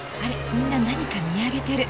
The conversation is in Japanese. みんな何か見上げてる。